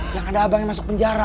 yang ada abang yang masuk penjara